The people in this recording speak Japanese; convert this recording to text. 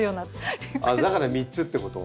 だから３つってこと？